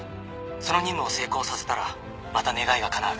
その任務を成功させたらまた願いが叶う。